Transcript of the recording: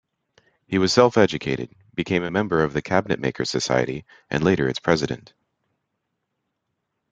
He was self-educated, became a member of the Cabinetmakers Society, and later its President.